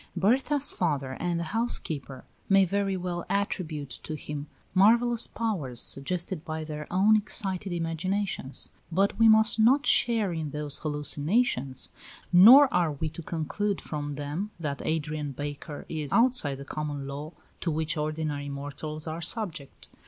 Berta's father and the housekeeper may very well attribute to him marvellous powers, suggested by their own excited imaginations; but we must not share in those hallucinations, nor are we to conclude from them that Adrian Baker is outside the common law to which ordinary mortals are subject.